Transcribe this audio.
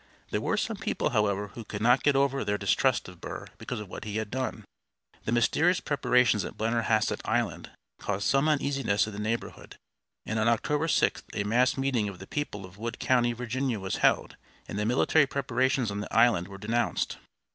There were some people, however, who could not get over their distrust of Burr because of what he had done. The mysterious preparations at Blennerhassett Island caused some uneasiness in the neighborhood, and on October 6th a mass meeting of the people of Wood County, Virginia, was held, and the military preparations on the island were denounced.